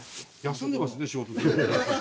休んでますね仕事。